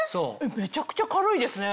めちゃくちゃ軽いですね。